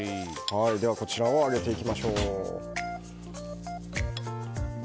こちら揚げていきましょう。